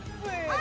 あ。